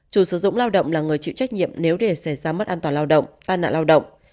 chủ sử dụng lao động là người chịu trách nhiệm nếu để xảy ra mất an toàn lao động tai nạn lao động